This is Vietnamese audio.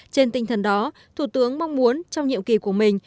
trên tinh thần đó thủ tướng mong muốn trong nhiệm kỳ của mình